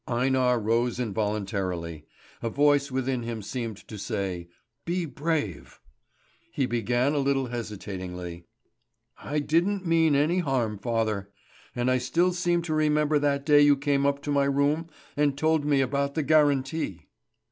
Einar rose involuntarily. A voice within him seemed to say: "Be brave!" He began a little hesitatingly: "I didn't mean any harm, father; and I still seem to remember that day you came up to my room and told me about the guarantee."